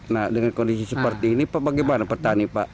nah dengan kondisi seperti ini pak bagaimana petani pak